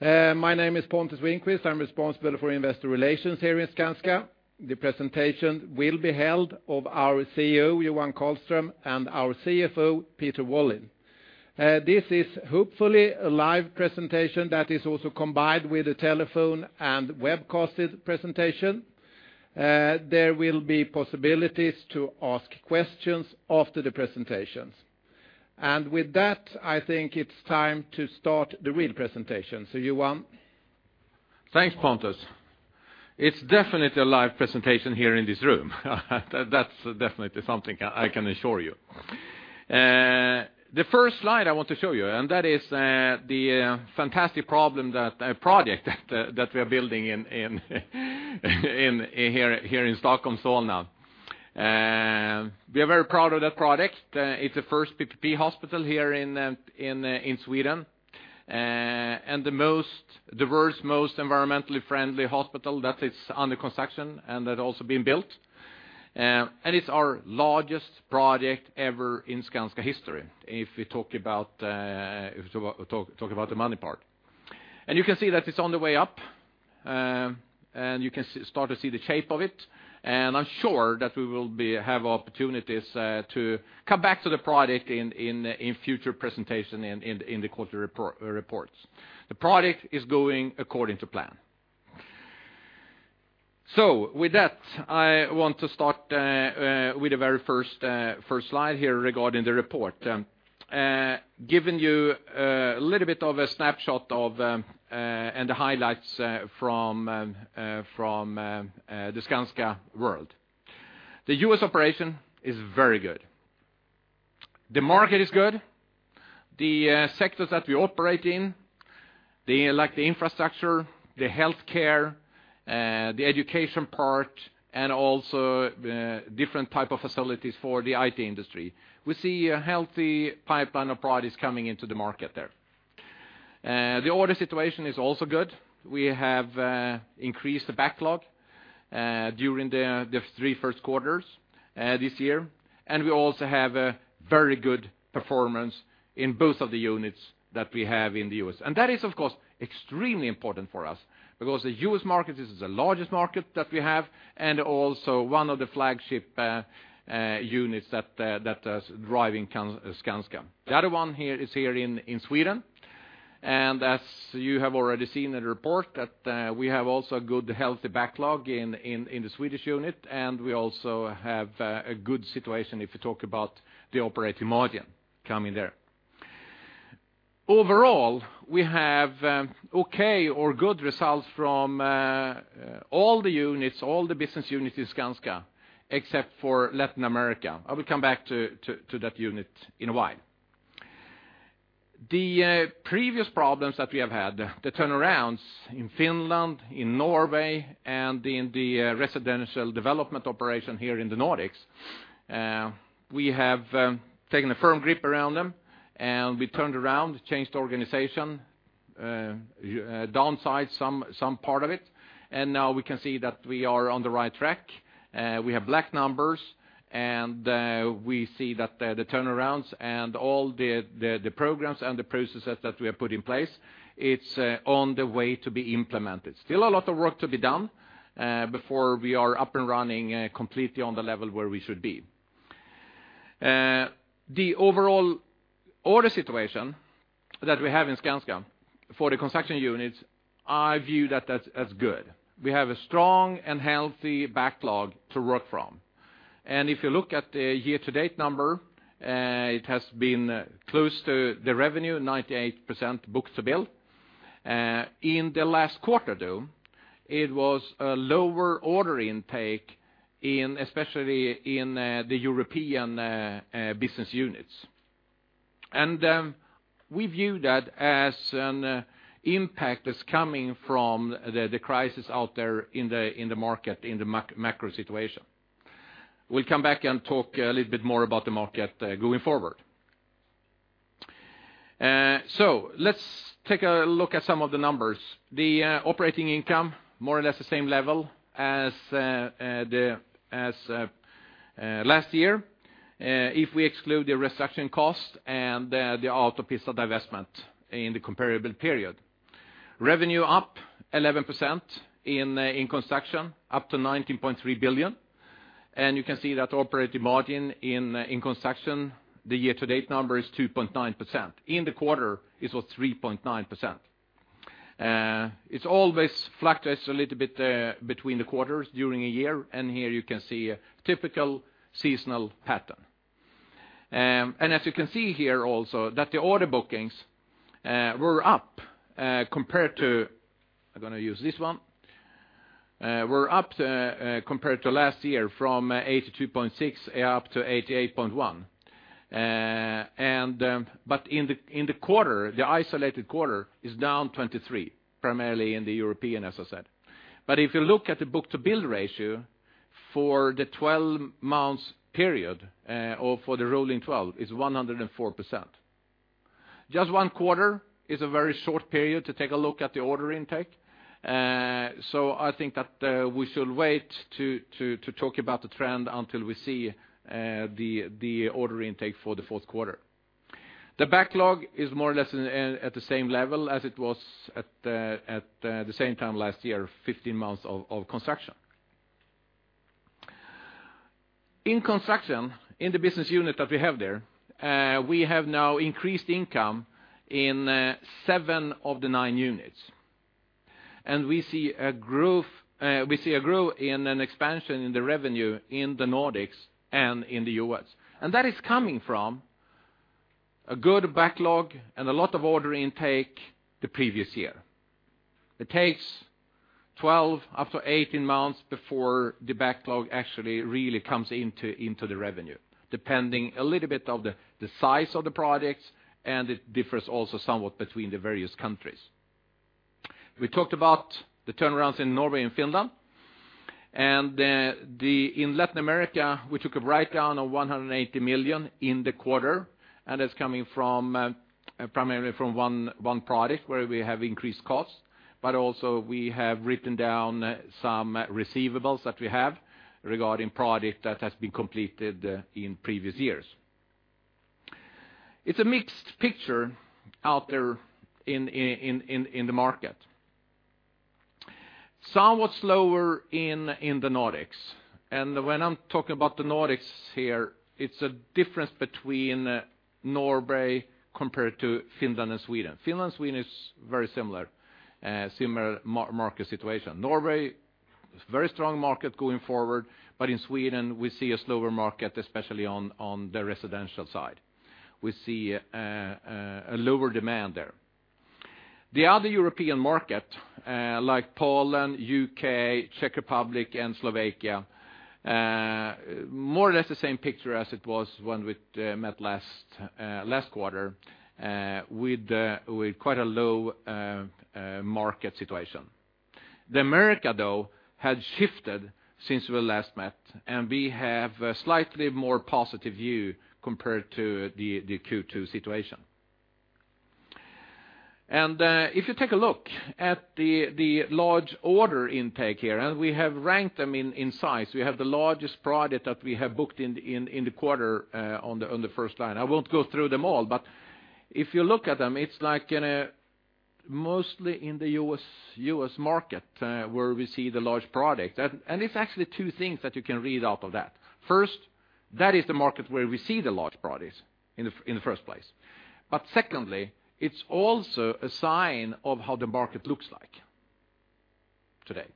My name is Pontus Winqvist. I'm responsible for investor relations here in Skanska. The presentation will be held of our CEO, Johan Karlström, and our CFO, Peter Wallin. This is hopefully a live presentation that is also combined with a telephone and webcasted presentation. There will be possibilities to ask questions after the presentations. With that, I think it's time to start the real presentation. So Johan? Thanks, Pontus. It's definitely a live presentation here in this room. That's definitely something I can assure you. The first slide I want to show you, and that is the fantastic project that we are building here in Stockholm, Solna. We are very proud of that project. It's the first PPP hospital here in Sweden. The most diverse, most environmentally friendly hospital that is under construction and that also been built and it's our largest project ever in Skanska history, if we talk about the money part. You can see that it's on the way up, and you can start to see the shape of it. I'm sure that we will have opportunities to come back to the project in future presentations in the quarter reports. The project is going according to plan. So with that, I want to start with the very first slide here regarding the report. Giving you a little bit of a snapshot and the highlights from the Skanska world. The U.S. operation is very good. The market is good. The sectors that we operate in, like the infrastructure, the healthcare, the education part, and also different type of facilities for the IT industry. We see a healthy pipeline of products coming into the market there. The order situation is also good. We have increased the backlog during the three first quarters this year, and we also have a very good performance in both of the units that we have in the U.S and that is, of course, extremely important for us, because the U.S. market is the largest market that we have, and also one of the flagship units that is driving Skanska. The other one here is here in Sweden, and as you have already seen in the report, that we have also a good, healthy backlog in the Swedish unit, and we also have a good situation if you talk about the operating margin coming there. Overall, we have okay or good results from all the units, all the business units in Skanska, except for Latin America. I will come back to that unit in a while. The previous problems that we have had, the turnarounds in Finland, in Norway, and in the residential development operation here in the Nordics, we have taken a firm grip around them, and we turned around, changed the organization, downsized some part of it, and now we can see that we are on the right track. We have black numbers, and we see that the turnarounds and all the programs and the processes that we have put in place, it's on the way to be implemented. Still a lot of work to be done before we are up and running completely on the level where we should be. The overall order situation that we have in Skanska for the construction units, I view that as, as good. We have a strong and healthy backlog to work from. If you look at the year-to-date number, it has been close to the revenue, 98% book-to-bill. In the last quarter, though, it was a lower order intake in, especially in, the European business units. We view that as an impact that's coming from the crisis out there in the market, in the macro situation. We'll come back and talk a little bit more about the market going forward. So let's take a look at some of the numbers. The operating income, more or less the same level as last year, if we exclude the restructuring costs and the Autopista divestment in the comparable period. Revenue up 11% in construction, up to 19.3 billion and you can see that operating margin in construction, the year-to-date number is 2.9%. In the quarter, it was 3.9%. It's always fluctuates a little bit between the quarters during a year, and here you can see a typical seasonal pattern. As you can see here also, that the order bookings were up compared to... I'm gonna use this one. Were up compared to last year, from 82.6 up to 88.1. But in the quarter, the isolated quarter is down 23, primarily in the European, as I said. But if you look at the book-to-bill ratio for the 12 months period, or for the Rolling 12, it's 104%. Just one quarter is a very short period to take a look at the order intake, so I think that we should wait to talk about the trend until we see the order intake for the fourth quarter. The backlog is more or less at the same level as it was at the same time last year, 15 months of construction. In construction, in the business unit that we have there, we have now increased income in seven of the nine units. We see a growth, we see a growth in an expansion in the revenue in the Nordics and in the U.S. That is coming from a good backlog and a lot of order intake the previous year. It takes 12-18 months before the backlog actually really comes into the revenue, depending a little bit of the size of the products, and it differs also somewhat between the various countries. We talked about the turnarounds in Norway and Finland, and in Latin America, we took a write-down of 180 million in the quarter, and that's coming from, primarily from one product where we have increased costs, but also we have written down some receivables that we have regarding product that has been completed in previous years. It's a mixed picture out there in the market. Somewhat slower in the Nordics, and when I'm talking about the Nordics here, it's a difference between Norway compared to Finland and Sweden. Finland and Sweden is very similar, similar market situation. Norway, very strong market going forward, but in Sweden, we see a slower market, especially on the residential side. We see a lower demand there. The other European market, like Poland, U.K., Czech Republic, and Slovakia, more or less the same picture as it was when we met last quarter, with quite a low market situation. The America, though, has shifted since we last met, and we have a slightly more positive view compared to the Q2 situation. If you take a look at the large order intake here, and we have ranked them in size. We have the largest product that we have booked in the quarter on the first line. I won't go through them all, but if you look at them, it's like mostly in the U.S. market where we see the large product. It's actually two things that you can read out of that. First, that is the market where we see the large products in the first place, but secondly, it's also a sign of how the market looks like today.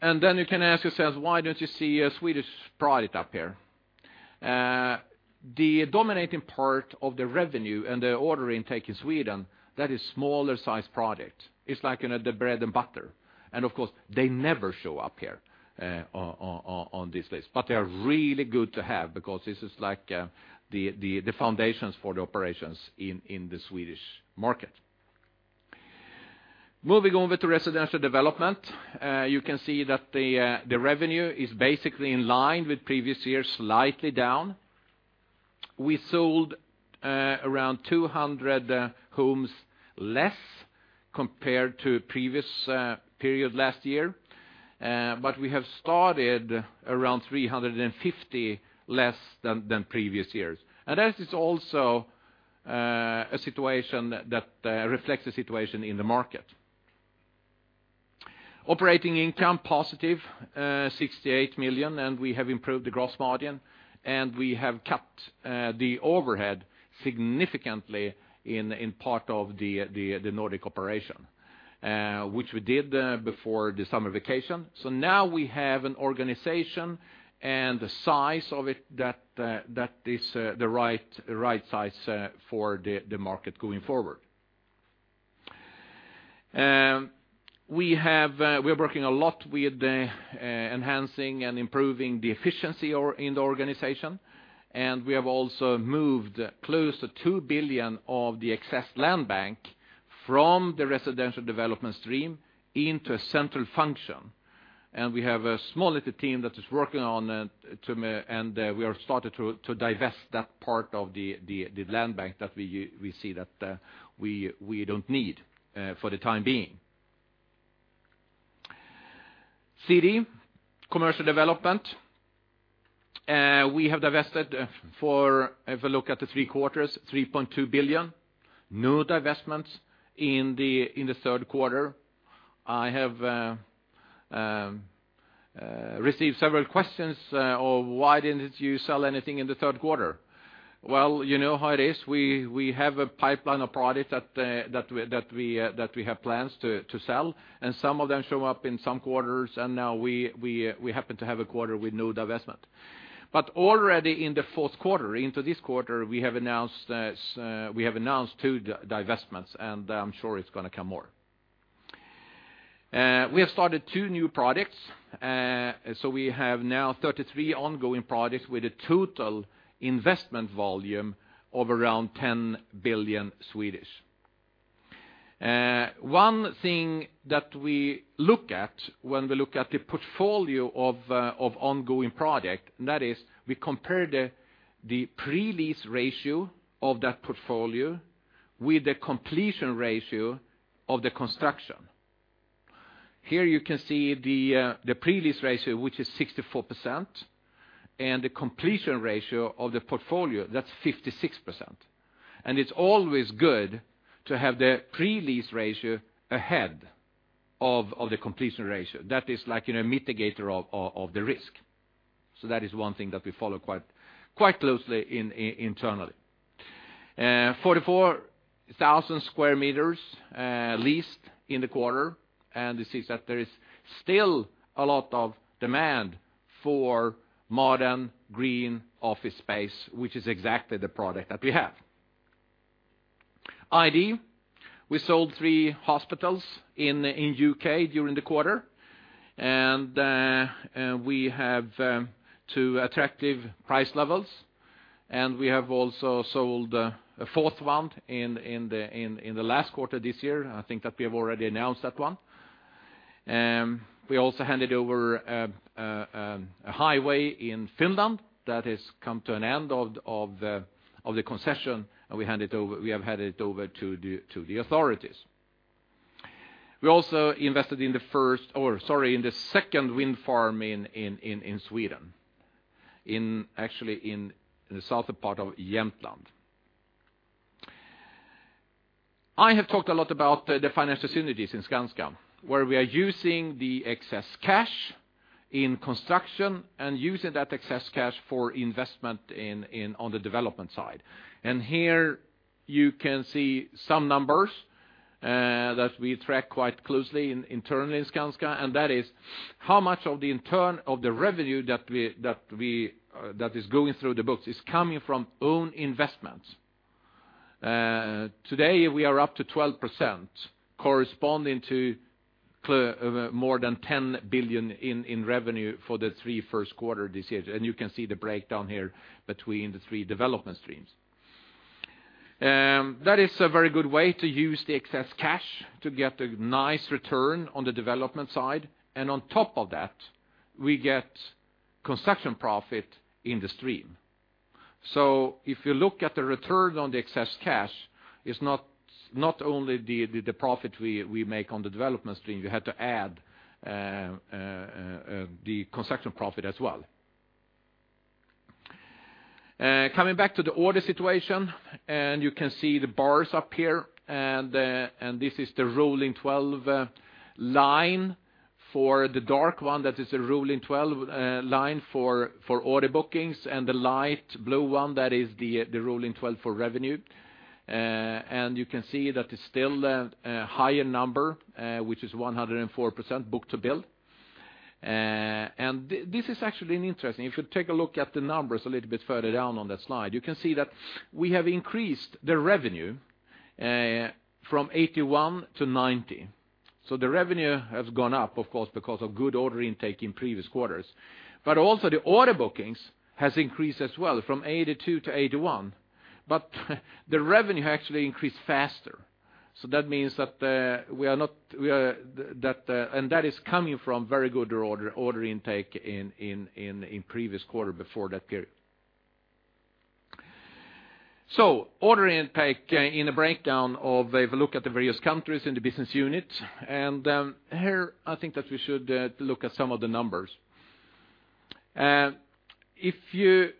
Then you can ask yourselves, "Why don't you see a Swedish product up here?" The dominating part of the revenue and the order intake in Sweden, that is smaller sized product. It's like, you know, the bread and butter and of course, they never show up here on this list. But they are really good to have because this is like the foundations for the operations in the Swedish market. Moving on with the residential development, you can see that the revenue is basically in line with previous years, slightly down. We sold around 200 homes less compared to previous period last year, but we have started around 350 less than previous years and that is also a situation that reflects the situation in the market. Operating income, positive 68 million, and we have improved the gross margin, and we have cut the overhead significantly in part of the Nordic operation, which we did before the summer vacation. So now we have an organization and the size of it that is the right size for the market going forward. We are working a lot with enhancing and improving the efficiency or in the organization, and we have also moved close to 2 billion of the excess land bank from the residential development stream into a central function. We have a small little team that is working on it, to me, and we have started to divest that part of the land bank that we see that we don't need for the time being. CD, commercial development, we have divested, for if you look at the three quarters, 3.2 billion, no divestments in the third quarter. I have received several questions of "Why didn't you sell anything in the third quarter?" Well, you know how it is. We have a pipeline of products that we have plans to sell, and some of them show up in some quarters, and now we happen to have a quarter with no divestment. But already in the fourth quarter, into this quarter, we have announced two divestments, and I'm sure it's gonna come more. We have started two new products, so we have now 33 ongoing products with a total investment volume of around 10 billion. One thing that we look at when we look at the portfolio of ongoing product, and that is we compare the pre-lease ratio of that portfolio with the completion ratio of the construction. Here you can see the pre-lease ratio, which is 64% and the completion ratio of the portfolio, that's 56%, and it's always good to have the pre-lease ratio ahead of the completion ratio. That is like, you know, mitigator of the risk. That is one thing that we follow quite closely internally. 44,000 sq m leased in the quarter, and this is that there is still a lot of demand for modern, green office space, which is exactly the product that we have. ID, we sold three hospitals in U.K. during the quarter, and we have two attractive price levels, and we have also sold a fourth one in the last quarter this year. I think that we have already announced that one. We also handed over a highway in Finland that has come to an end of the concession, and we have handed it over to the authorities. We also invested in the first, or sorry, in the second wind farm in Sweden, actually, in the southern part of Jämtland. I have talked a lot about the financial synergies in Skanska, where we are using the excess cash in construction and using that excess cash for investment in, on the development side. Here you can see some numbers that we track quite closely internally in Skanska, and that is how much of the intake of the revenue that is going through the books is coming from own investments. Today, we are up to 12%, corresponding to more than 10 billion in revenue for the first three quarters this year, and you can see the breakdown here between the three development streams. That is a very good way to use the excess cash to get a nice return on the development side, and on top of that, we get construction profit in the stream. So if you look at the return on the excess cash, it's not only the profit we make on the development stream, you have to add the construction profit as well. Coming back to the order situation, and you can see the bars up here, and this is the rolling 12 line. For the dark one, that is a rolling 12 line for order bookings, and the light blue one, that is the rolling 12 for revenue and you can see that it's still a higher number, which is 104% book-to-bill. This is actually an interesting, if you take a look at the numbers a little bit further down on that slide, you can see that we have increased the revenue from 81-90. So the revenue has gone up, of course, because of good order intake in previous quarters. But also, the order bookings has increased as well from 82-81, but the revenue actually increased faster, so that means that we are not, we are... that and that is coming from very good order intake in previous quarter before that period. So order intake in a breakdown of a look at the various countries in the business unit, and here, I think that we should look at some of the numbers. If you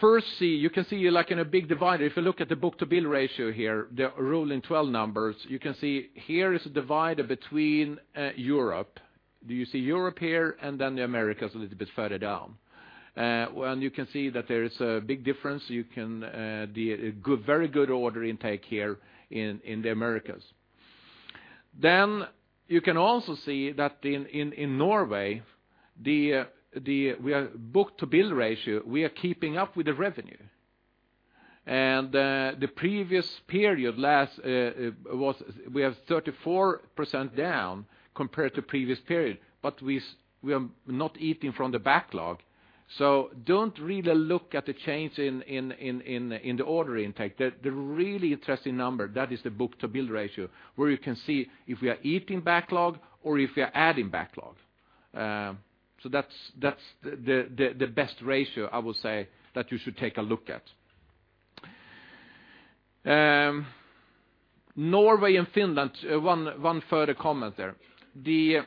first see, you can see like in a big divider, if you look at the book-to-bill ratio here, the rolling 12 numbers, you can see here is a divider between Europe. Do you see Europe here, and then the Americas a little bit further down? Well, and you can see that there is a big difference. You can, the good, very good order intake here in the Americas. Then you can also see that in Norway, the book-to-bill ratio, we are keeping up with the revenue. The previous period, last, was we have 34% down compared to previous period, but we are not eating from the backlog. So don't really look at the change in the order intake. The really interesting number, that is the book-to-bill ratio, where you can see if we are eating backlog or if we are adding backlog. So that's the best ratio, I would say, that you should take a look at. Norway and Finland, further comment there. The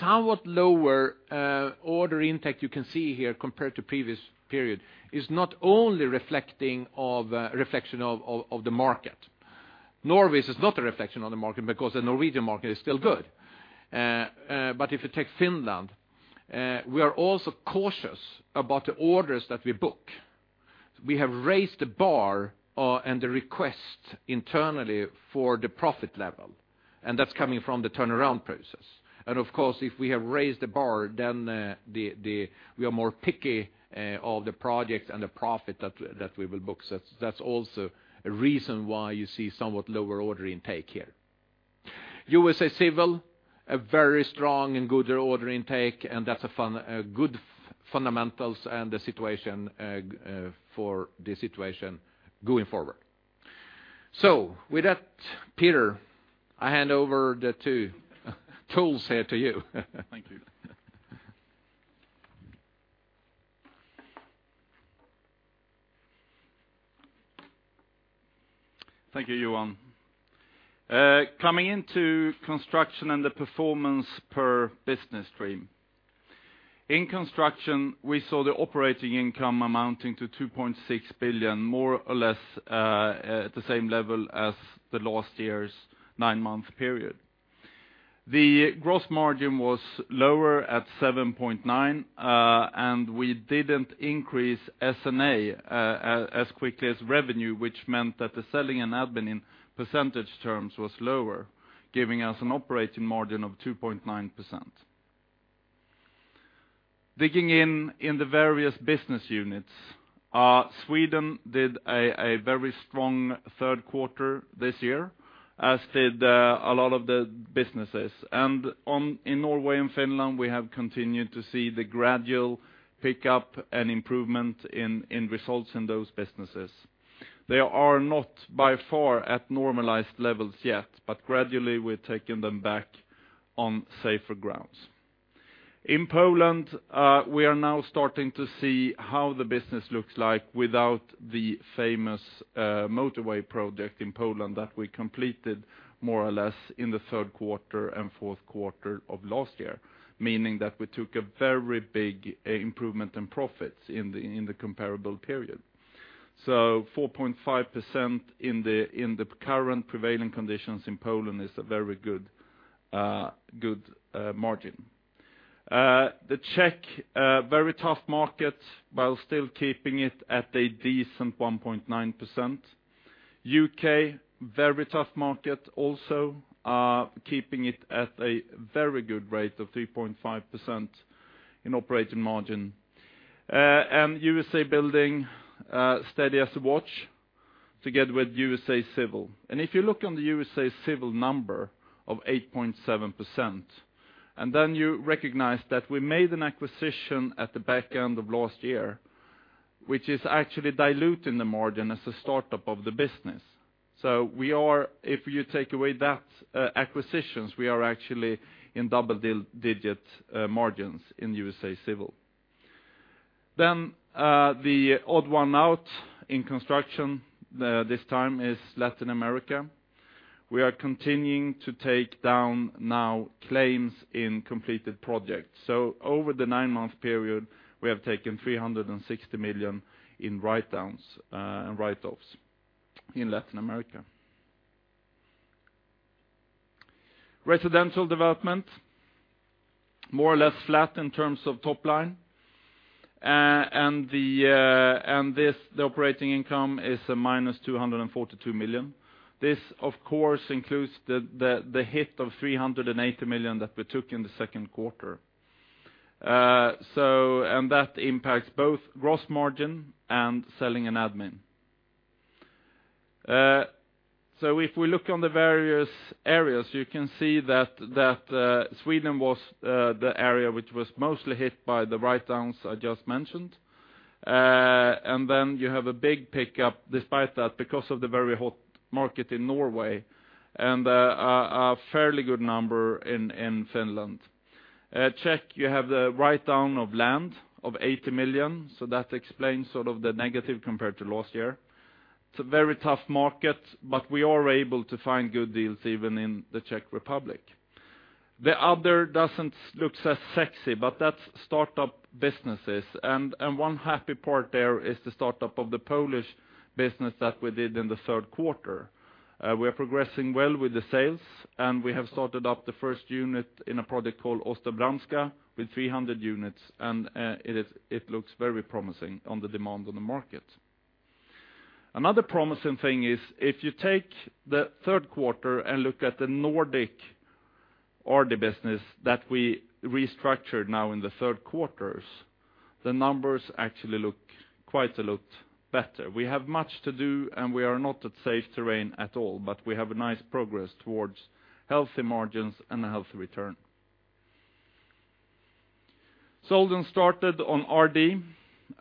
somewhat lower order intake you can see here compared to previous period is not only a reflection of the market. Norway's is not a reflection on the market because the Norwegian market is still good. But if you take Finland, we are also cautious about the orders that we book. We have raised the bar and the request internally for the profit level, and that's coming from the turnaround process. If we have raised the bar, then we are more picky, the projects and the profit that we will book. That's also a reason why you see somewhat lower order intake here. USA Civil, a very strong and good order intake, and that's a fun, good fundamentals and the situation for the situation going forward. With that, Peter, I hand over the tools here to you. Thank you. Thank you, Johan. Coming into construction and the performance per business stream. In construction, we saw the operating income amounting to 2.6 billion, more or less, at the same level as the last year's nine-month period. The gross margin was lower at 7.9%, and we didn't increase S&A as quickly as revenue, which meant that the selling and admin in percentage terms was lower, giving us an operating margin of 2.9%. Digging in the various business units, Sweden did a very strong third quarter this year, as did a lot of the businesses. In Norway and Finland, we have continued to see the gradual pickup and improvement in results in those businesses. They are not by far at normalized levels yet, but gradually we're taking them back on safer grounds. In Poland, we are now starting to see how the business looks like without the famous motorway project in Poland that we completed more or less in the third quarter and fourth quarter of last year, meaning that we took a very big improvement in profits in the comparable period. So 4.5% in the current prevailing conditions in Poland is a very good margin. The Czech, a very tough market, while still keeping it at a decent 1.9%. U.K., very tough market also, keeping it at a very good rate of 3.5% in operating margin, and USA Building, steady as a watch, together with USA Civil. If you look on the Skanska USA Civil number of 8.7%, and then you recognize that we made an acquisition at the back end of last year, which is actually diluting the margin as a startup of the business. So if you take away that acquisitions, we are actually in double-digit margins in Skanska USA Civil. Then the odd one out in construction this time is Latin America. We are continuing to take down now claims in completed projects. So over the nine-month period, we have taken 360 million in write-downs and write-offs in Latin America. Residential development, more or less flat in terms of top line and the operating income is -242 million. This, of course, includes the hit of 380 million that we took in the second quarter, and that impacts both gross margin and selling and admin. So if we look on the various areas, you can see that Sweden was the area which was mostly hit by the write-downs I just mentioned. Then you have a big pickup despite that, because of the very hot market in Norway, and a fairly good number in Finland. Czech, you have the write-down of land of 80 million, so that explains sort of the negative compared to last year. It's a very tough market, but we are able to find good deals even in the Czech Republic. The other doesn't look so sexy, but that's startup businesses. One happy part there is the startup of the Polish business that we did in the third quarter. We are progressing well with the sales, and we have started up the first unit in a project called Ostrobramska with 300 units, and it looks very promising on the demand on the market. Another promising thing is, if you take the third quarter and look at the Nordic RD business that we restructured now in the third quarters, the numbers actually look quite a lot better. We have much to do, and we are not at safe terrain at all, but we have a nice progress towards healthy margins and a healthy return. Sold and started on RD,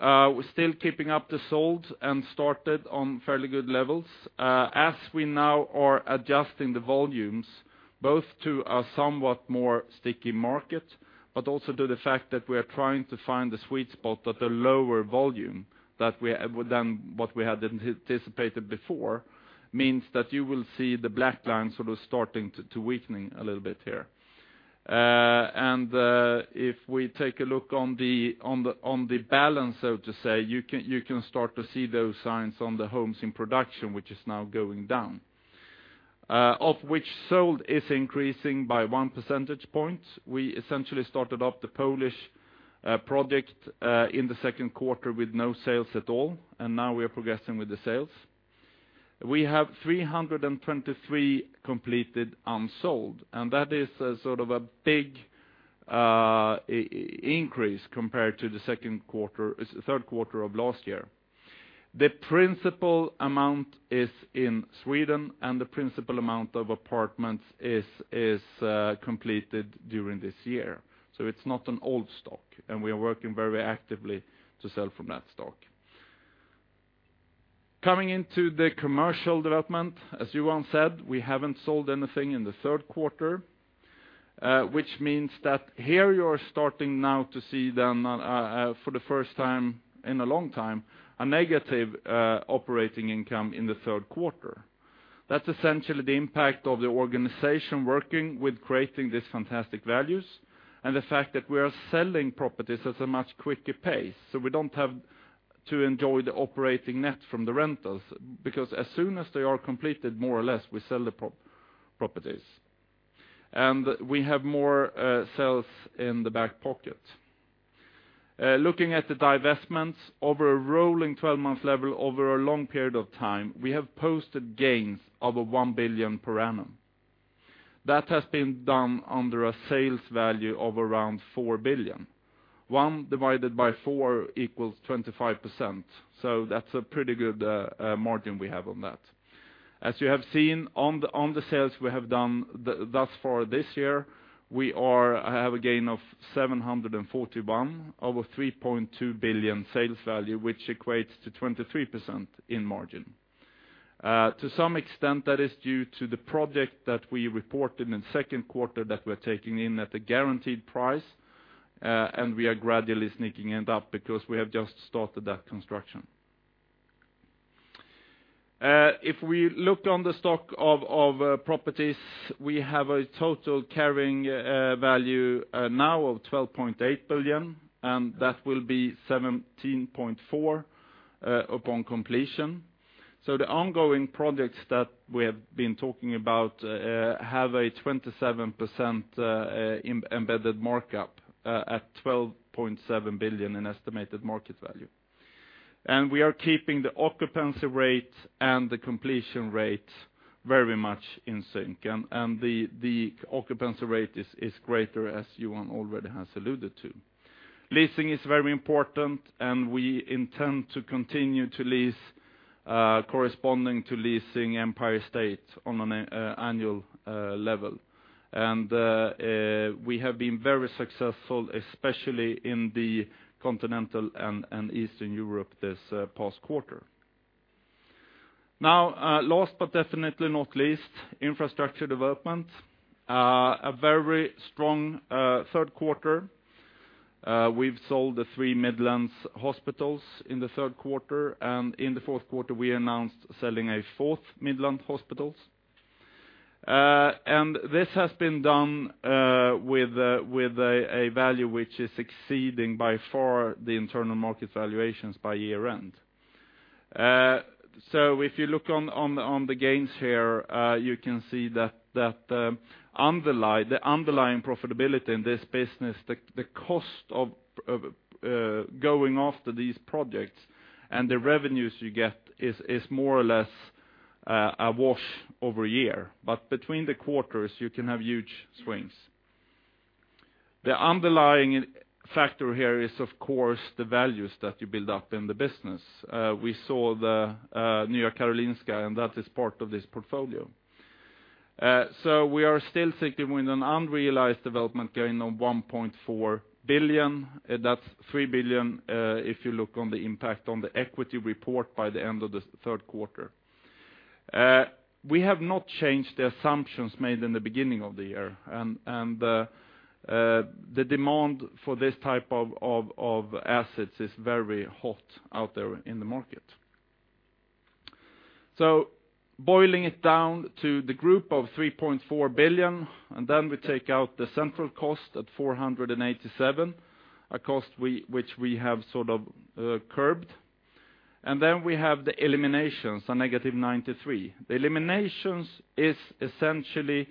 we're still keeping up the sold and started on fairly good levels. As we now are adjusting the volumes, both to a somewhat more sticky market, but also to the fact that we are trying to find the sweet spot at a lower volume than what we had anticipated before, means that you will see the black line sort of starting to weakening a little bit here. If we take a look on the balance, so to say, you can start to see those signs on the homes in production, which is now going down. Of which sold is increasing by one percentage point. We essentially started up the Polish project in the second quarter with no sales at all, and now we are progressing with the sales. We have 323 completed unsold, and that is a sort of a big increase compared to the second quarter, third quarter of last year. The principal amount is in Sweden, and the principal amount of apartments is completed during this year. So it's not an old stock, and we are working very actively to sell from that stock. Coming into the commercial development, as Johan said, we haven't sold anything in the third quarter, which means that here you are starting now to see then, for the first time in a long time, a negative operating income in the third quarter. That's essentially the impact of the organization working with creating these fantastic values, and the fact that we are selling properties at a much quicker pace. So we don't have to enjoy the operating net from the rentals, because as soon as they are completed, more or less, we sell the properties and we have more sales in the back pocket. Looking at the divestments, over a rolling 12-month level, over a long period of time, we have posted gains of 1 billion per annum. That has been done under a sales value of around 4 billion. One divided by four equals 25%, so that's a pretty good margin we have on that. As you have seen on the sales we have done thus far this year, we have a gain of 741 million over 3.2 billion sales value, which equates to 23% in margin. To some extent, that is due to the project that we reported in second quarter that we're taking in at a guaranteed price, and we are gradually sneaking it up, because we have just started that construction. If we look on the stock of properties, we have a total carrying value now of 12.8 billion, and that will be 17.4 billion upon completion. So the ongoing projects that we have been talking about have a 27% embedded markup at 12.7 billion in estimated market value. We are keeping the occupancy rate and the completion rate very much in sync, and the occupancy rate is greater, as Johan already has alluded to. Leasing is very important, and we intend to continue to lease corresponding to leasing Empire State on an annual level. We have been very successful, especially in the continental and Eastern Europe this past quarter. Now, last but definitely not least, infrastructure development. A very strong third quarter. We've sold the three Midlands hospitals in the third quarter, and in the fourth quarter, we announced selling a fourth Midlands hospital. This has been done with a value which is exceeding by far the internal market valuations by year-end. So if you look on the gains here, you can see that the underlying profitability in this business, the cost of going after these projects, and the revenues you get is more or less a wash over a year but between the quarters, you can have huge swings. The underlying factor here is, of course, the values that you build up in the business. We saw the New Karolinska, and that is part of this portfolio. So we are still sitting with an unrealized development gain of 1.4 billion. That's 3 billion, if you look on the impact on the equity report by the end of the third quarter. We have not changed the assumptions made in the beginning of the year, and the demand for this type of assets is very hot out there in the market. So boiling it down to the group of 3.4 billion, and then we take out the central cost at 487 million, a cost which we have sort of curbed. Then we have the eliminations, a -93 million. The eliminations is essentially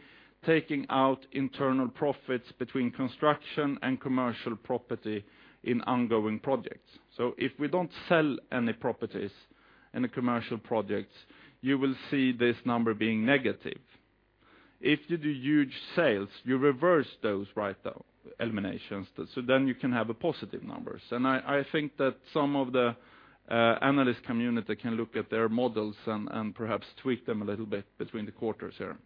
taking out internal profits between construction and commercial property in ongoing projects. So if we don't sell any properties in the commercial projects, you will see this number being negative. If you do huge sales, you reverse those right out, eliminations, so then you can have a positive numbers. I think that some of the analyst community can look at their models and perhaps tweak them a little bit between the quarters here.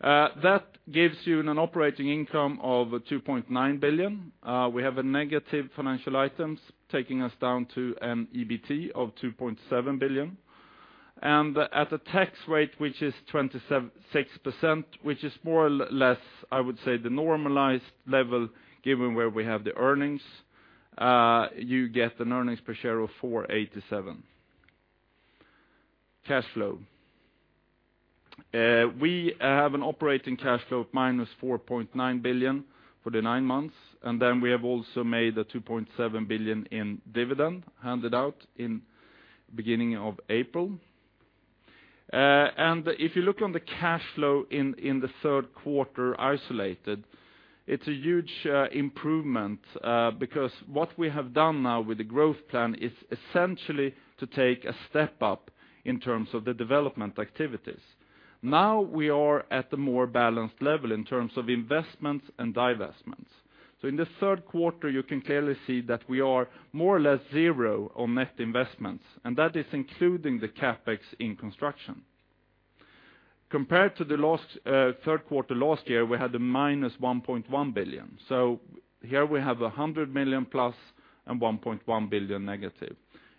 That gives you an operating income of 2.9 billion. We have a negative financial items, taking us down to an EBT of 2.7 billion and at a tax rate, which is 26%, which is more or less, I would say, the normalized level, given where we have the earnings, you get an earnings per share of 4.87. Cash flow. We have an operating cash flow of -4.9 billion for the nine months, and then we have also made a 2.7 billion in dividend, handed out in beginning of April. If you look on the cash flow in the third quarter isolated, it's a huge improvement, because what we have done now with the growth plan is essentially to take a step up in terms of the development activities. Now, we are at the more balanced level in terms of investments and divestments. So in the third quarter, you can clearly see that we are more or less zero on net investments, and that is including the CapEx in construction. Compared to the last third quarter last year, we had a -1.1 billion. So here we have +100 million and -1.1 billion.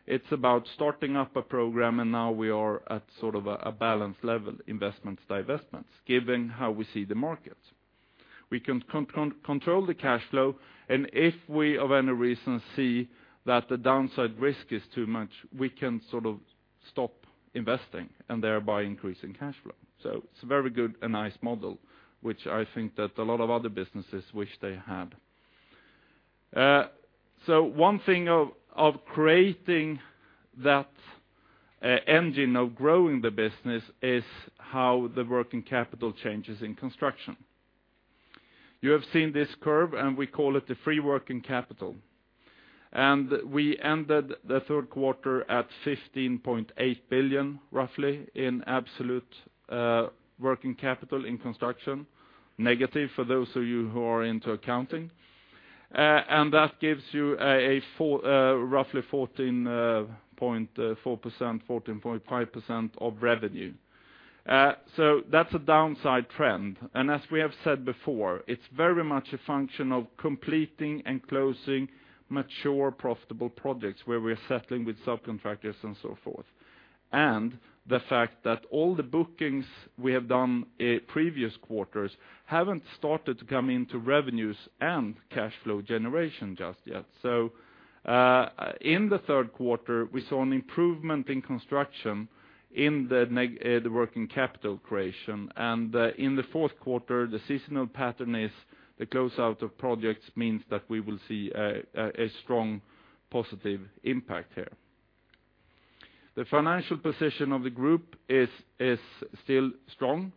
It's about starting up a program, and now we are at sort of a balanced level, investments, divestments, given how we see the market. We can control the cash flow, and if we, for any reason, see that the downside risk is too much, we can sort of stop investing and thereby increasing cash flow. So it's a very good and nice model, which I think that a lot of other businesses wish they had. So one thing of creating that engine of growing the business is how the working capital changes in construction. You have seen this curve, and we call it the free working capital and we ended the third quarter at 15.8 billion, roughly, in absolute working capital in construction, negative for those of you who are into accounting. That gives you roughly 14.4%, 14.5% of revenue. So that's a downside trend, and as we have said before, it's very much a function of completing and closing mature, profitable projects where we are settling with subcontractors and so forth, and the fact that all the bookings we have done in previous quarters haven't started to come into revenues and cash flow generation just yet. So, in the third quarter, we saw an improvement in construction in the negative working capital creation, and, in the fourth quarter, the seasonal pattern is the close out of projects means that we will see a strong positive impact here. The financial position of the group is still strong.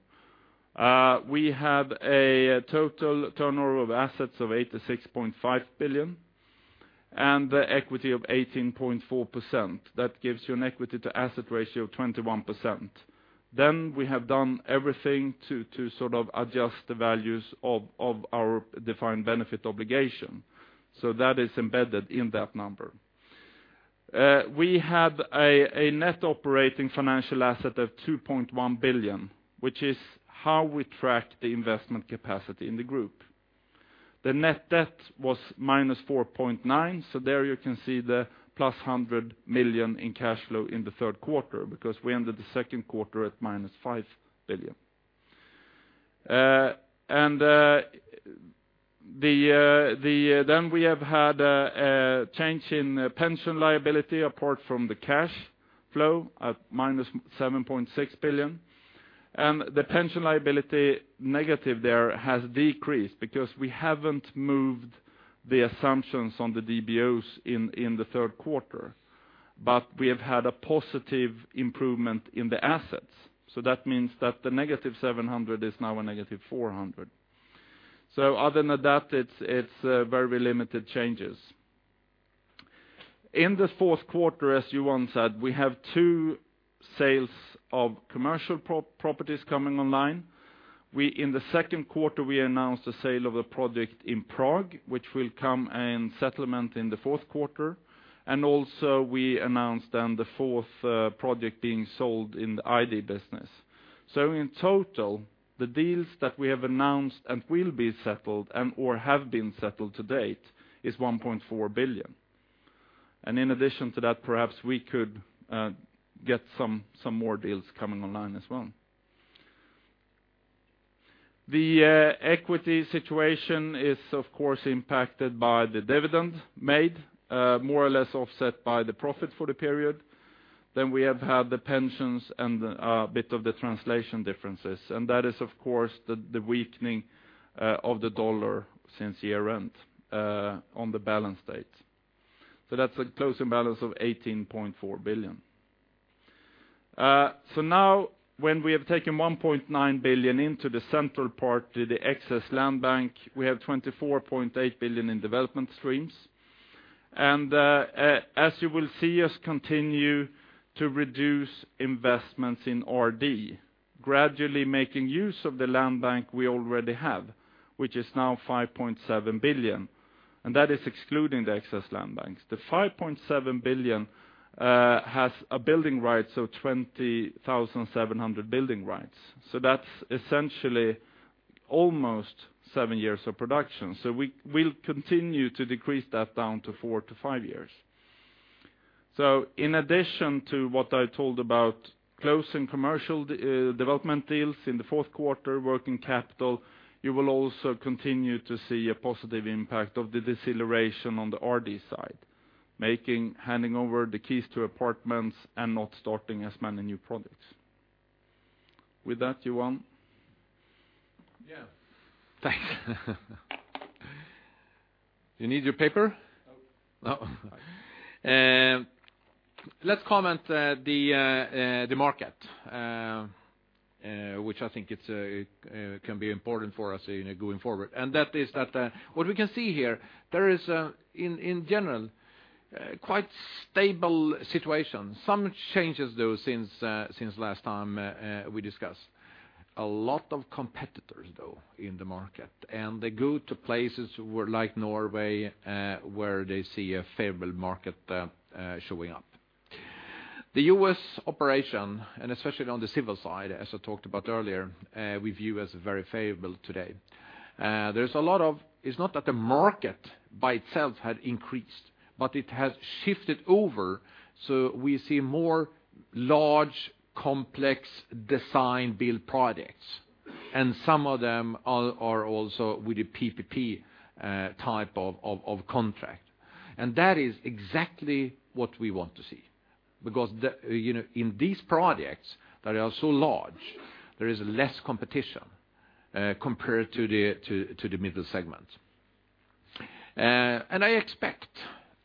We have a total turnover of assets of 86.5 billion, and the equity of 18.4%. That gives you an equity to asset ratio of 21%. Then we have done everything to sort of adjust the values of our defined benefit obligation, so that is embedded in that number. We have a net operating financial asset of 2.1 billion, which is how we track the investment capacity in the group. The net debt was -4.9 billion, so there you can see the +100 million in cash flow in the third quarter, because we ended the second quarter at -5 billion. Then we have had a change in pension liability apart from the cash flow at -7.6 billion. The pension liability negative there has decreased, because we haven't moved the assumptions on the DBOs in the third quarter, but we have had a positive improvement in the assets. So that means that the -700 million is now a -400 million. So other than that, it's very limited changes. In the fourth quarter, as Johan said, we have two sales of commercial properties coming online. In the second quarter, we announced the sale of a project in Prague, which will come in settlement in the fourth quarter. Also, we announced then the fourth project being sold in the ID business. So in total, the deals that we have announced and will be settled, and or have been settled to date, is 1.4 billion. In addition to that, perhaps we could get some more deals coming online as well. The equity situation is, of course, impacted by the dividend made, more or less offset by the profit for the period. Then we have had the pensions and a bit of the translation differences, and that is, of course, the weakening of the dollar since year-end on the balance date. So that's a closing balance of 18.4 billion. So now, when we have taken 1.9 billion into the central part, to the excess land bank, we have 24.8 billion in development streams. As you will see us continue to reduce investments in RD, gradually making use of the land bank we already have, which is now 5.7 billion, and that is excluding the excess land banks. The 5.7 billion has a building right, so 20,700 building rights. So that's essentially almost seven years of production. So we'll continue to decrease that down to 4-5 years. So in addition to what I told about closing commercial development deals in the fourth quarter, working capital, you will also continue to see a positive impact of the deceleration on the RD side, making, handing over the keys to apartments and not starting as many new projects. With that, Johan? Yeah. Thanks. You need your paper? No. No? Let's comment, the market, which I think can be important for us going forward. That is that what we can see here, there is, in general, quite a stable situation. Some changes, though, since last time we discussed. A lot of competitors, though, in the market, and they go to places like Norway, where they see a favorable market showing up. The U.S. operation, and especially on the civil side, as I talked about earlier, we view as very favorable today. There's a lot of... It's not that the market by itself had increased, but it has shifted over, so we see more large, complex design-build projects, and some of them are also with the PPP type of contract. That is exactly what we want to see, because the, you know, in these projects that are so large, there is less competition, compared to the middle segment. I expect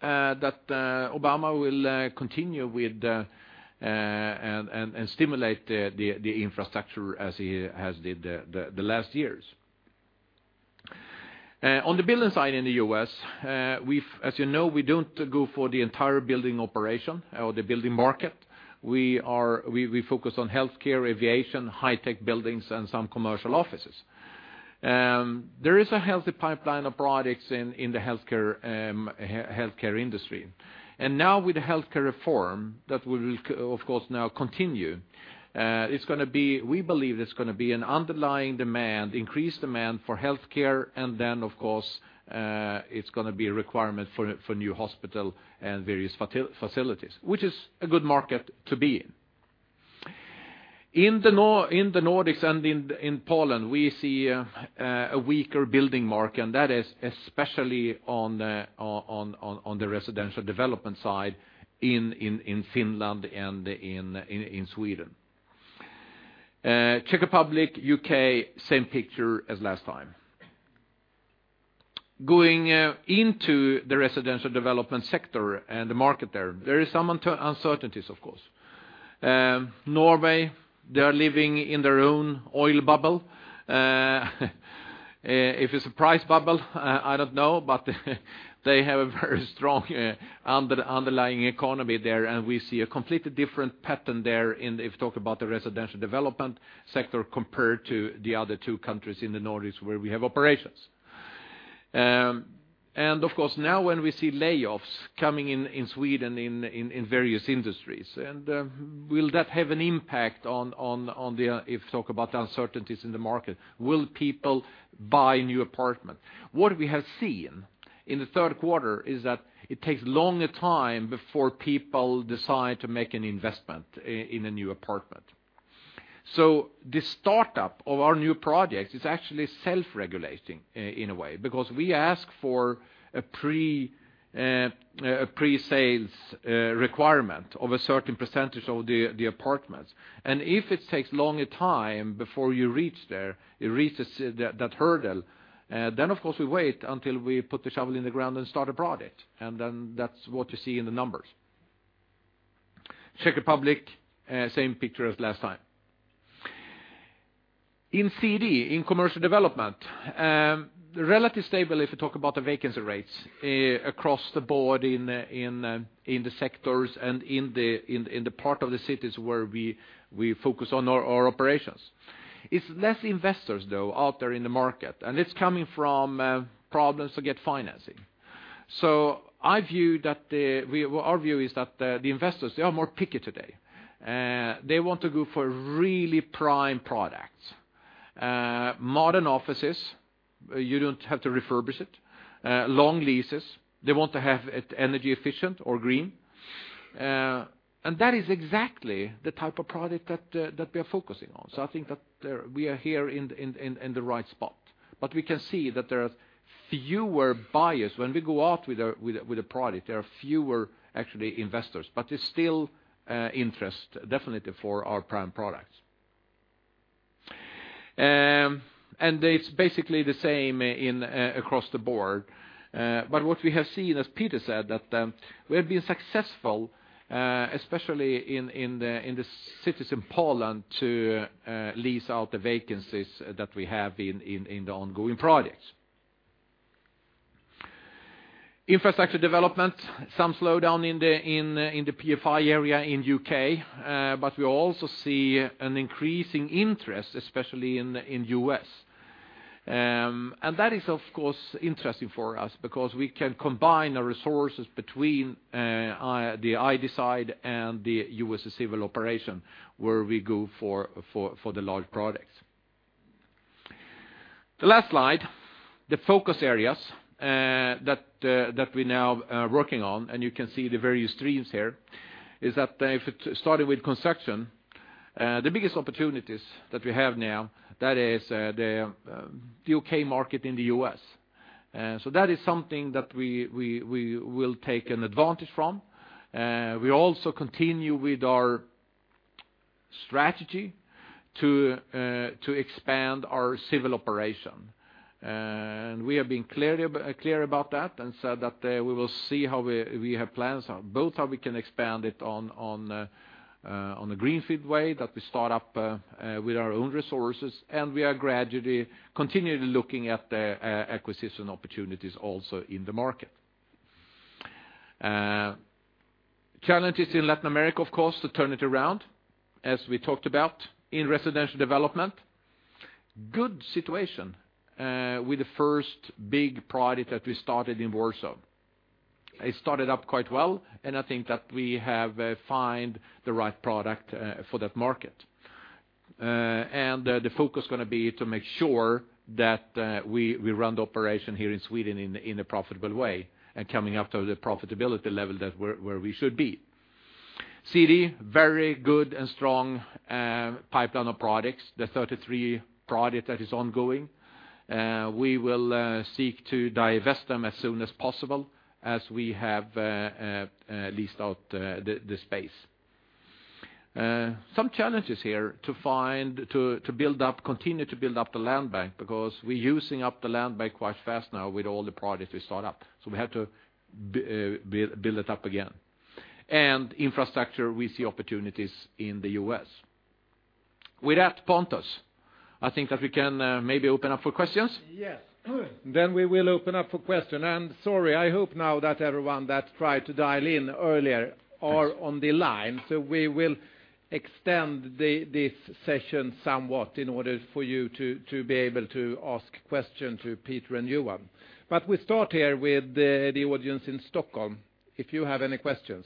that Obama will continue with, and stimulate the infrastructure as he has did the last years. On the building side in the U.S., we've, as you know, we don't go for the entire building operation or the building market. We focus on healthcare, aviation, high-tech buildings, and some commercial offices. There is a healthy pipeline of products in the healthcare industry and now with the healthcare reform, that will, of course, now continue, it's gonna be... We believe it's gonna be an underlying demand, increased demand for healthcare, and then, of course, it's gonna be a requirement for new hospital and various facilities, which is a good market to be in. In the Nordics and in Poland, we see a weaker building market, and that is especially on the residential development side in Finland and in Sweden. Czech Republic, U.K., same picture as last time. Going into the residential development sector and the market there, there is some uncertainties, of course. Norway, they are living in their own oil bubble. If it's a price bubble, I don't know, but they have a very strong underlying economy there, and we see a completely different pattern there in, if you talk about the residential development sector compared to the other two countries in the Nordics where we have operations. Of course, now when we see layoffs coming in in Sweden, in various industries, and will that have an impact on the uncertainties in the market? Will people buy a new apartment? What we have seen in the third quarter is that it takes longer time before people decide to make an investment in a new apartment. So the startup of our new projects is actually self-regulating in a way, because we ask for a pre-sales requirement of a certain percentage of the apartments, and if it takes longer time before you reach there, it reaches that hurdle, then, of course, we wait until we put the shovel in the ground and start a project, and then that's what you see in the numbers. Czech Republic, same picture as last time. In CD, in commercial development, relatively stable, if you talk about the vacancy rates across the board in the sectors and in the part of the cities where we focus on our operations. It's less investors, though, out there in the market, and it's coming from problems to get financing. So I view that our view is that the investors they are more picky today. They want to go for really prime products, modern offices, you don't have to refurbish it, long leases. They want to have it energy efficient or green. That is exactly the type of product that that we are focusing on. So I think that we are here in the right spot. But we can see that there are fewer buyers. When we go out with a product, there are fewer, actually, investors. But there's still interest, definitely, for our prime products. It's basically the same across the board, but what we have seen, as Peter said, that we have been successful, especially in the cities in Poland, to lease out the vacancies that we have in the ongoing projects. Infrastructure development, some slowdown in the PFI area in the U.K., but we also see an increasing interest, especially in U.S, and that is, of course, interesting for us, because we can combine our resources between the ID side and the U.S. civil operation, where we go for the large projects. The last slide, the focus areas that we're now working on, and you can see the various streams here, is that if it started with construction, the biggest opportunities that we have now, that is the U.K. market in the U.S. So that is something that we will take an advantage from. We also continue with our strategy to expand our civil operation and we have been clear about that and said that we will see how we have plans, both how we can expand it on a greenfield way, that we start up with our own resources, and we are gradually continually looking at the acquisition opportunities also in the market. Challenges in Latin America, of course, to turn it around, as we talked about in residential development. Good situation with the first big project that we started in Warsaw. It started up quite well, and I think that we have find the right product for that market. The focus is going to be to make sure that we run the operation here in Sweden in a profitable way, and coming up to the profitability level where we should be. City, very good and strong pipeline of products, the 33 product that is ongoing. We will seek to divest them as soon as possible, as we have leased out the space. Some challenges here to find—to build up, continue to build up the land bank, because we're using up the land bank quite fast now with all the products we start up. We have to build it up again. In infrastructure, we see opportunities in the U.S. With that, Pontus, I think that we can maybe open up for questions. Yes. Then we will open up for questions. Sorry, I hope now that everyone that tried to dial in earlier are on the line. So we will extend this session somewhat in order for you to be able to ask questions to Peter and Johan. But we start here with the audience in Stockholm, if you have any questions.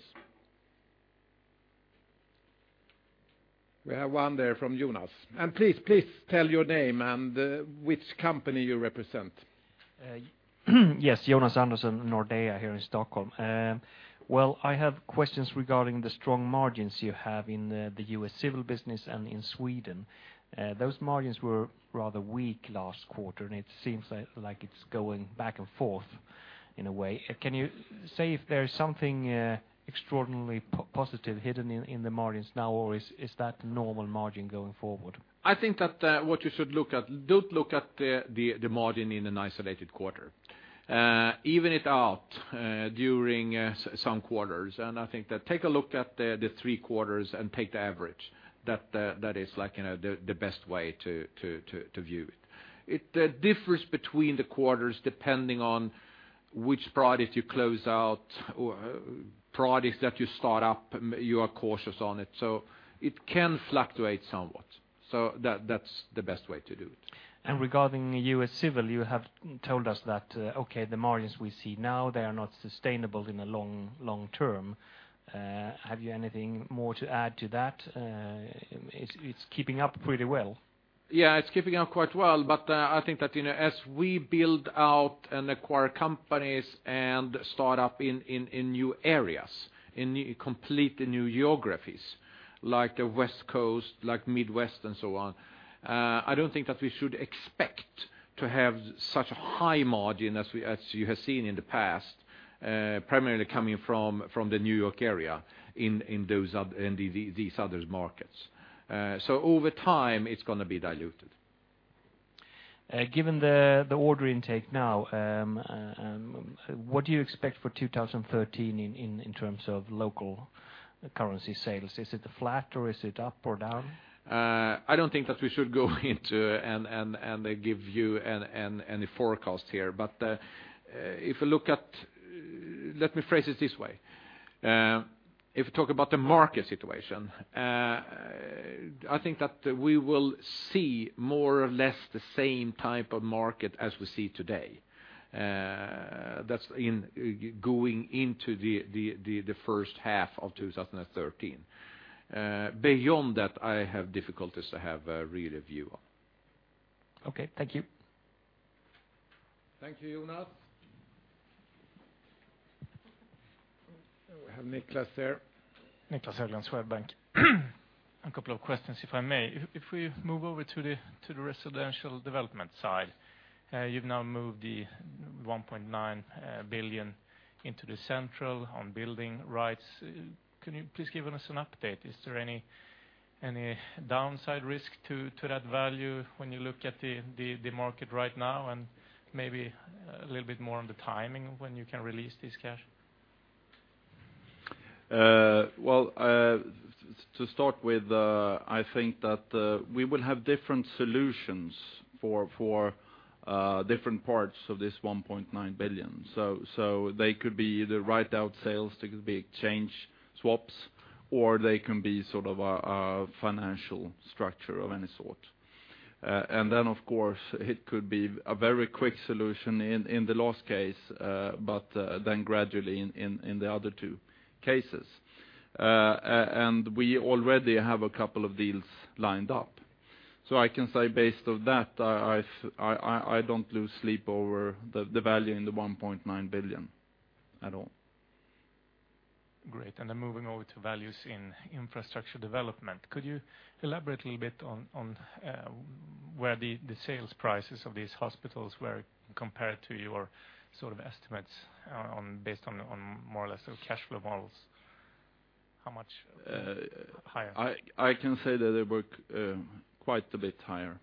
We have one there from Jonas. Please, please tell your name and which company you represent. Yes, Jonas Andersson, Nordea, here in Stockholm. Well, I have questions regarding the strong margins you have in the US civil business and in Sweden. Those margins were rather weak last quarter, and it seems like it's going back and forth in a way. Can you say if there is something extraordinarily positive hidden in the margins now, or is that normal margin going forward? I think that what you should look at, don't look at the margin in an isolated quarter. Even it out during some quarters, and I think that take a look at the three quarters and take the average. That is like, you know, the best way to view it. It differs between the quarters, depending on which product you close out or products that you start up, you are cautious on it. So it can fluctuate somewhat. So that's the best way to do it. Regarding the U.S. Civil, you have told us that, okay, the margins we see now, they are not sustainable in the long, long term. Have you anything more to add to that? It's keeping up pretty well. Yeah, it's keeping up quite well, but I think that, you know, as we build out and acquire companies and start up in new areas, in complete new geographies, like the West Coast, like Midwest and so on, I don't think that we should expect to have such a high margin as we, as you have seen in the past, primarily coming from the New York area in these other markets. So over time, it's going to be diluted. Given the order intake now, what do you expect for 2013 in terms of local currency sales? Is it flat or is it up or down? I don't think that we should go into and give you any forecast here. But, if you look at... Let me phrase it this way. If you talk about the market situation, I think that we will see more or less the same type of market as we see today. That's in going into the first half of 2013. Beyond that, I have difficulties to have a really view of. Okay, thank you. Thank you, Jonas. We have Niclas there. Niclas Höglund, Swedbank. A couple of questions, if I may. If, if we move over to the residential development side, you've now moved the 1.9 billion into the central on building rights. Can you please give us an update? Is there any downside risk to that value when you look at the market right now, and maybe a little bit more on the timing of when you can release this cash? Well, to start with, I think that we will have different solutions for different parts of this 1.9 billion. So they could be either write out sales, they could be exchange swaps, or they can be sort of a financial structure of any sort. Then, of course, it could be a very quick solution in the last case, but then gradually in the other two cases and we already have a couple of deals lined up. So I can say based on that, I don't lose sleep over the value in the 1.9 billion at all. Great. Then moving over to values in infrastructure development. Could you elaborate a little bit on where the sales prices of these hospitals were compared to your sort of estimates on, based on more or less their cash flow models? How much higher? I can say that they were quite a bit higher.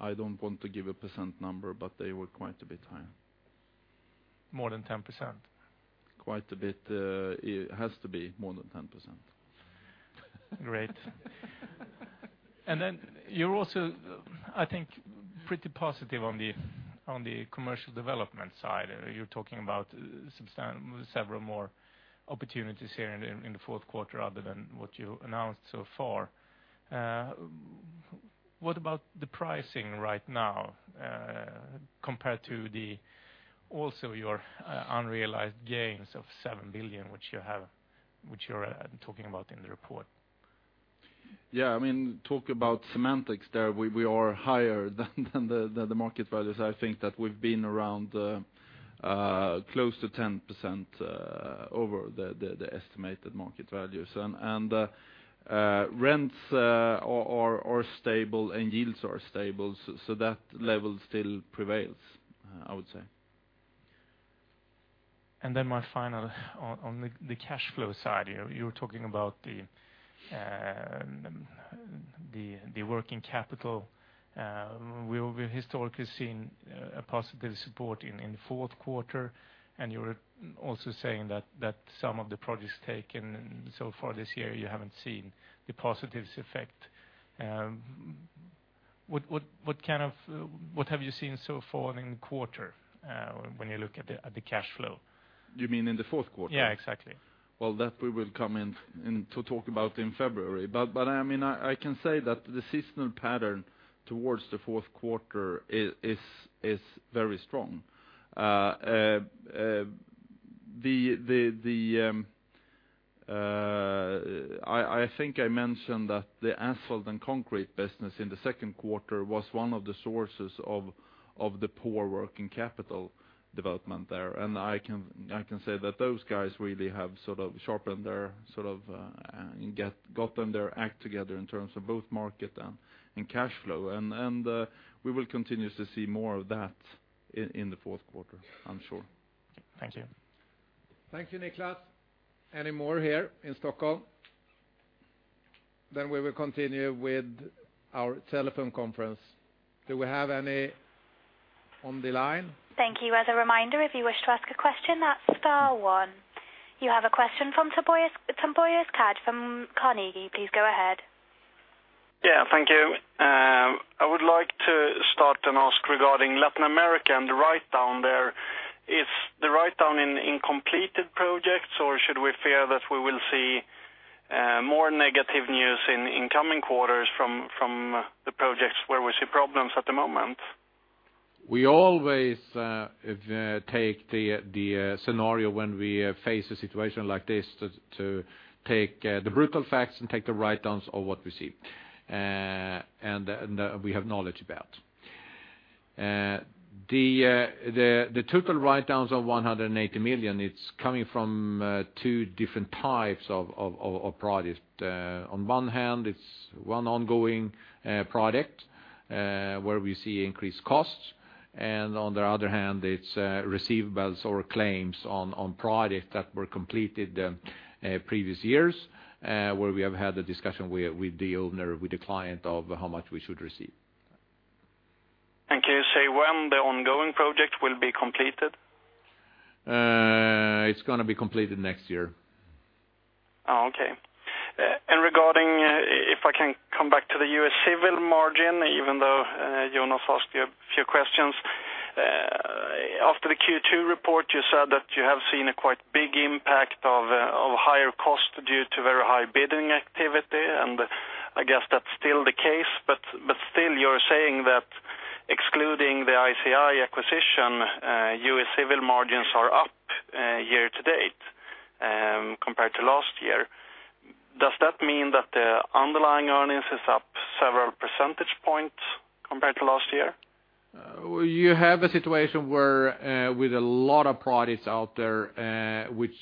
I don't want to give a percent number, but they were quite a bit higher. More than 10%? Quite a bit, it has to be more than 10%. Great. Then you're also, I think, pretty positive on the commercial development side. You're talking about several more opportunities here in the fourth quarter other than what you announced so far. What about the pricing right now, compared to the also your unrealized gains of 7 billion, which you have, which you're talking about in the report? Yeah, I mean, talk about semantics there. We are higher than the market values. I think that we've been around close to 10% over the estimated market values and rents are stable, and yields are stable, so that level still prevails, I would say. Then my final one on the cash flow side here, you were talking about the working capital. We've historically seen a positive support in the fourth quarter, and you were also saying that some of the projects taken so far this year, you haven't seen the positive effect. What have you seen so far in the quarter when you look at the cash flow? You mean in the fourth quarter? Yeah, exactly. Well, that we will come into talk about in February. But I mean, I can say that the seasonal pattern towards the fourth quarter is very strong. I think I mentioned that the asphalt and concrete business in the second quarter was one of the sources of the poor working capital development there and I can say that those guys really have sort of sharpened their sort of and gotten their act together in terms of both market and cash flow and we will continue to see more of that in the fourth quarter, I'm sure. Thank you. Thank you, Niclas. Any more here in Stockholm? Then we will continue with our telephone conference. Do we have any on the line? Thank you. As a reminder, if you wish to ask a question, that's star one. You have a question from Tobias Kaj from Carnegie. Please go ahead. Yeah, thank you. I would like to start and ask regarding Latin America and the write-down there. Is the write-down in completed projects, or should we fear that we will see more negative news in coming quarters from the projects where we see problems at the moment? We always take the scenario when we face a situation like this, to take the brutal facts and take the write-downs of what we see, and we have knowledge about. The total write-downs of 180 million, it's coming from two different types of projects. On one hand, it's one ongoing project where we see increased costs, and on the other hand, it's receivables or claims on projects that were completed previous years where we have had a discussion with the owner, with the client, of how much we should receive. Can you say when the ongoing project will be completed? It's gonna be completed next year. Oh, okay. Regarding, if I can come back to the U.S. civil margin, even though Jonas asked you a few questions, after the Q2 report, you said that you have seen a quite big impact of higher cost due to very high bidding activity, and I guess that's still the case. But still, you're saying that excluding the ICI acquisition, U.S. civil margins are up year-to-date compared to last year. Does that mean that the underlying earnings is up several percentage points compared to last year? You have a situation where, with a lot of projects out there, which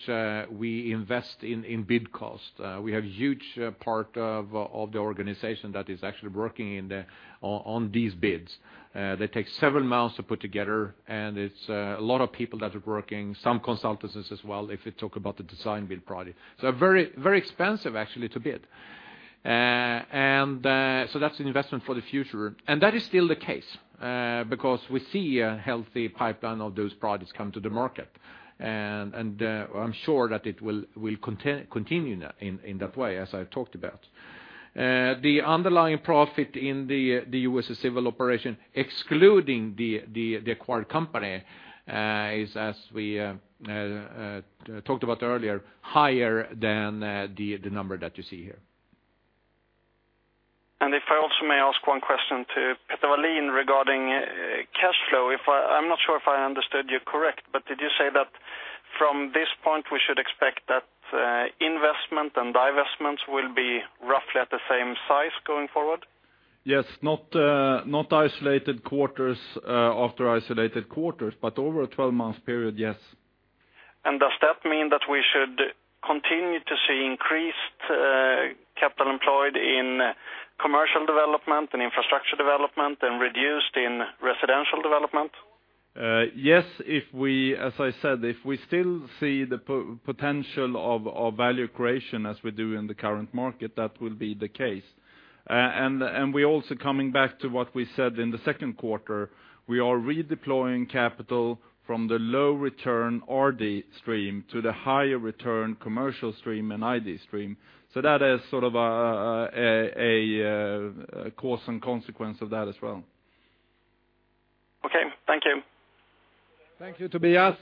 we invest in bid costs. We have a huge part of the organization that is actually working in on these bids. They take several months to put together, and it's a lot of people that are working, some consultancies as well, if you talk about the design bid project. So very, very expensive, actually, to bid. So that's an investment for the future, and that is still the case, because we see a healthy pipeline of those projects come to the market. I'm sure that it will continue in that way, as I talked about. The underlying profit in the U.S. Civil operation, excluding the acquired company, is, as we talked about earlier, higher than the number that you see here. If I also may ask one question to Peter Wallin regarding cash flow. I'm not sure if I understood you correctly, but did you say that from this point, we should expect that investment and divestments will be roughly at the same size going forward? Yes. Not isolated quarters after isolated quarters, but over a 12-month period, yes. Does that mean that we should continue to see increased capital employed in commercial development and infrastructure development and reduced in residential development? Yes, if we, as I said, if we still see the potential of value creation as we do in the current market, that will be the case and we also, coming back to what we said in the second quarter, we are redeploying capital from the low-return RD stream to the higher-return commercial stream and ID stream. So that is sort of a cause and consequence of that as well. Okay, thank you. Thank you, Tobias.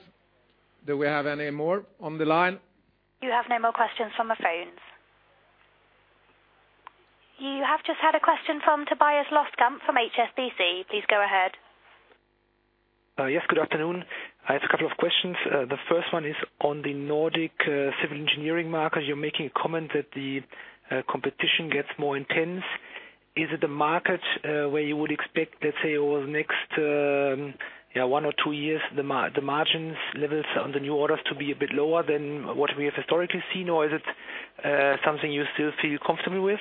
Do we have any more on the line? You have no more questions from the phones. You have just had a question from Tobias Loskamp from HSBC. Please go ahead. Yes, good afternoon. I have a couple of questions. The first one is on the Nordic civil engineering market. You're making a comment that the competition gets more intense. Is it the market where you would expect, let's say, over the next one or two years, the margins levels on the new orders to be a bit lower than what we have historically seen or is it something you still feel comfortable with?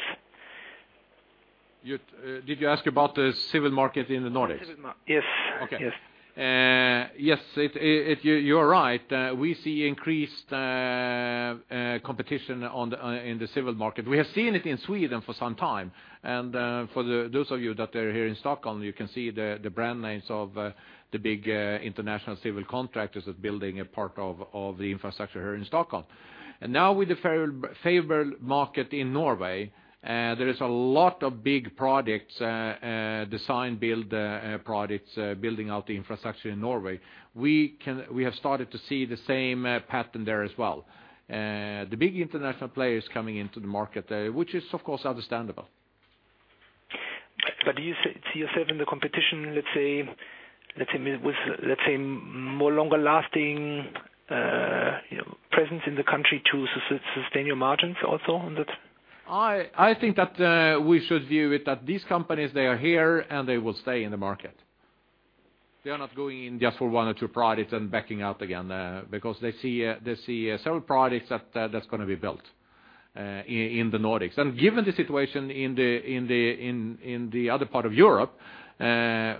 You, did you ask about the civil market in the Nordics? Yes. Okay. Yes. Yes, it—you're right. We see increased competition in the civil market. We have seen it in Sweden for some time, and for those of you that are here in Stockholm, you can see the brand names of the big international civil contractors that building a part of the infrastructure here in Stockholm. Now with the fairly favored market in Norway, there is a lot of big projects design build projects building out the infrastructure in Norway. We have started to see the same pattern there as well. The big international players coming into the market, which is, of course, understandable. But do you see yourself in the competition, let's say, let's say with, let's say, more longer lasting, you know, presence in the country to sustain your margins also on that? I think that we should view it, that these companies, they are here, and they will stay in the market. They are not going in just for one or two projects and backing out again, because they see, they see several projects that that's gonna be built in the Nordics. and given the situation in the other part of Europe,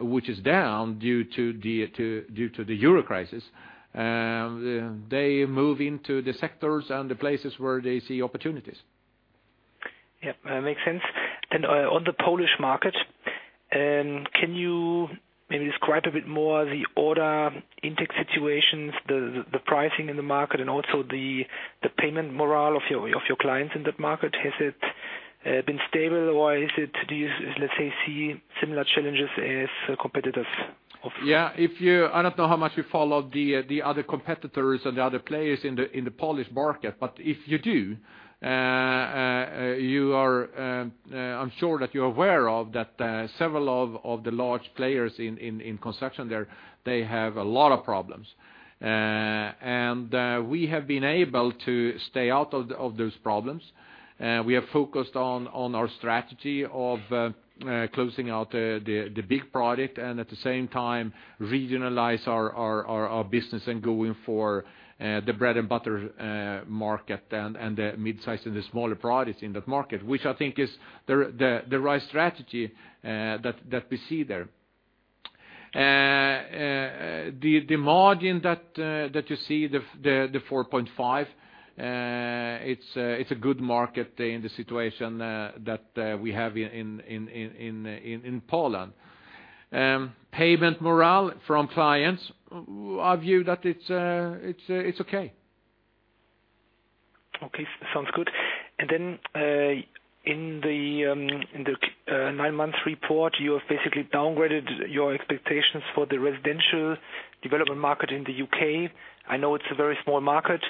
which is down due to the Euro crisis, they move into the sectors and the places where they see opportunities. Yep, makes sense. Then, on the Polish market, can you maybe describe a bit more the order intake situations, the pricing in the market, and also the payment morale of your clients in that market? Has it been stable, or is it... Do you, let's say, see similar challenges as competitors of- Yeah, if you, I don't know how much you follow the other competitors or the other players in the Polish market, but if you do, I'm sure that you're aware of that, several of the large players in construction there, they have a lot of problems and we have been able to stay out of those problems. We have focused on our strategy of closing out the big project, and at the same time regionalize our business and going for the bread-and-butter market, and the midsize and the smaller products in that market, which I think is the right strategy that we see there. The margin that you see, the 4.5, it's a good market in the situation that we have in Poland. Payment morale from clients, I view that it's okay. Okay, sounds good. Then, in the nine-month report, you have basically downgraded your expectations for the residential development market in the U.K. I know it's a very small market,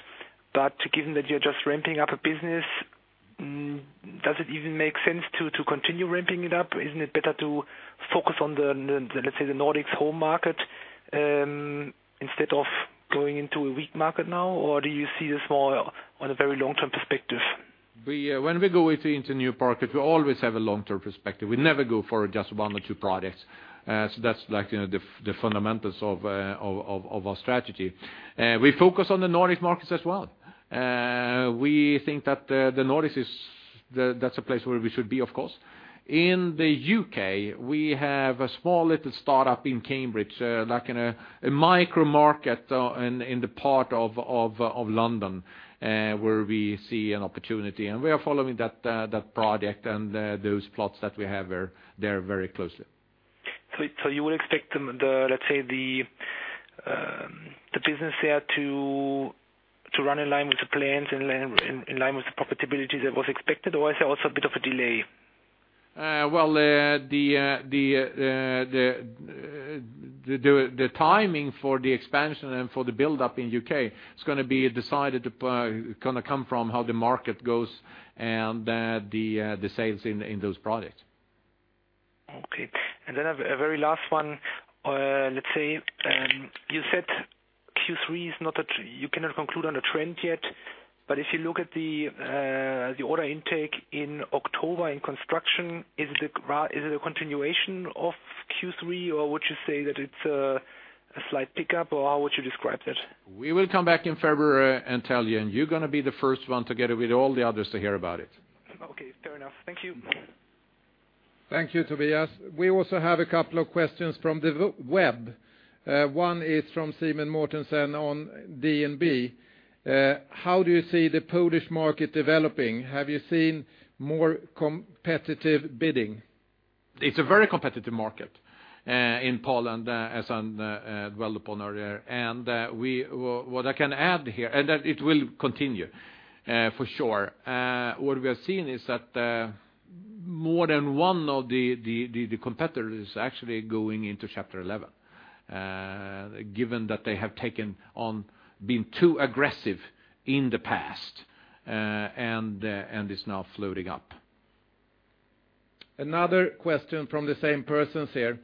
but given that you're just ramping up a business, does it even make sense to continue ramping it up? Isn't it better to focus on the, let's say, Nordics home market, instead of going into a weak market now or do you see this more on a very long-term perspective? When we go into new markets, we always have a long-term perspective. We never go for just one or two products. So that's like, you know, the fundamentals of our strategy. We focus on the Nordic markets as well. We think that, the Nordics is the... That's a place where we should be, of course. In the U.K., we have a small little startup in Cambridge, like in a micro market, in the part of London, where we see an opportunity, and we are following that project and those plots that we have there very closely. So you would expect the, let's say, the business there to run in line with the plans and in line with the profitability that was expected, or is there also a bit of a delay? Well, the timing for the expansion and for the buildup in the U.K. is gonna be decided by, gonna come from how the market goes, and the sales in those products. Okay. Then a very last one. Let's say, you said Q3 is not a—you cannot conclude on a trend yet, but if you look at the order intake in October in construction, is it a continuation of Q3, or would you say that it's a slight pickup, or how would you describe it? We will come back in February and tell you, and you're gonna be the first one, together with all the others, to hear about it. Okay, fair enough. Thank you. Thank you, Tobias. We also have a couple of questions from the web. One is from Simen Mortensen on DNB: How do you see the Polish market developing? Have you seen more competitive bidding? It's a very competitive market in Poland, as I dwelled upon earlier, and what I can add here is that it will continue for sure. What we are seeing is that more than one of the competitors actually going into Chapter 11, given that they have been too aggressive in the past, and it's now floating up. Another question from the same persons here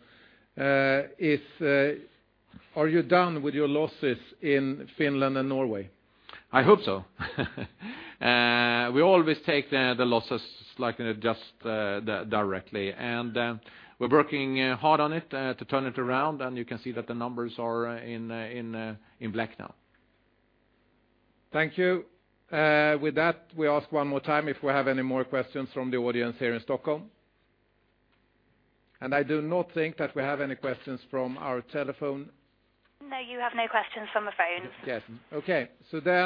is: Are you done with your losses in Finland and Norway? I hope so. We always take the losses, like, you know, just directly, and we're working hard on it to turn it around, and you can see that the numbers are in black now. Thank you. With that, we ask one more time if we have any more questions from the audience here in Stockholm? I do not think that we have any questions from our telephone. No, you have no questions on the phone. Yes. Okay, so then-